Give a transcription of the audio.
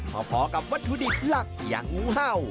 พอกับวัตถุดิบหลักอย่างงูเห่า